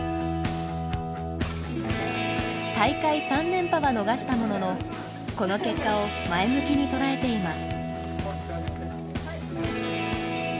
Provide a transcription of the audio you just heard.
大会３連覇は逃したもののこの結果を前向きに捉えています。